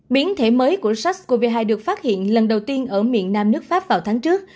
biến thể mới của sars cov hai được phát hiện lần đầu tiên ở miền nam nước pháp vào tháng trước